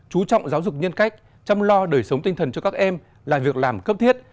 chú trọng giáo dục nhân cách chăm lo đời sống tinh thần cho các em là việc làm cấp thiết